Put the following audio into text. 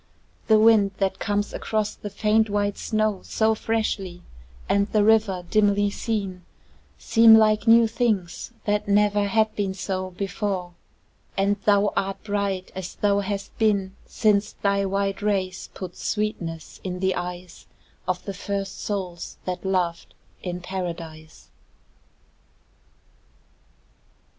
The wind that comes across the faint white snow So freshly, and the river dimly seen, Seem like new things that never had been so Before; and thou art bright as thou hast been Since thy white rays put sweetness in the eyes Of the first souls that loved in Paradise.